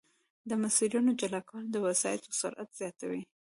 د مسیرونو جلا کول د وسایطو سرعت زیاتوي